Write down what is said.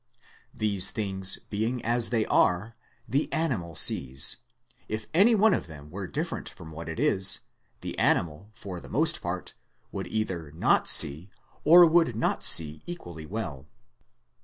These things being as they are, the animal sees : if any one of them were different from what it is, the animal, for the most part, would either not see, or would not see equally well.